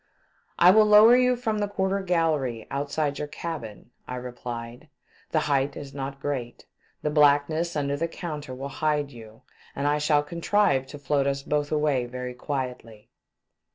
" I will lower you from the quarter gallery outside your cabin," I replied, "the height is not great. The blackness under the counter will hide you, and I shall contrive to float us both away very quietly."